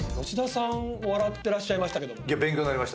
吉田さん笑ってらっしゃいましたけども。